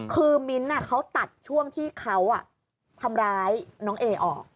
คือมิ้นท์เขาตัดช่วงที่เขาทำร้ายน้องเอออก